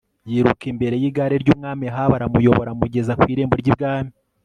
yiruka imbere yigare ryumwami Ahabu aramuyobora amugeza ku irembo ryibwami